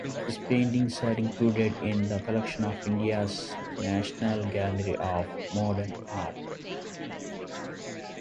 His paintings are included in the collection of India's National Gallery of Modern Art.